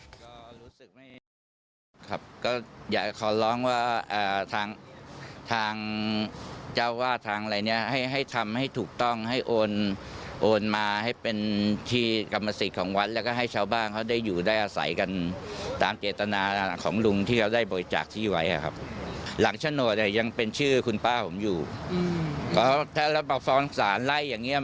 ท่านท่านไล่อย่างเงี้ยมันก็เท่าว่าป้าผมเป็นคนฟ้อง